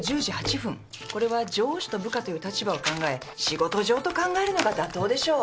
これは上司と部下という立場を考え仕事上と考えるのが妥当でしょう。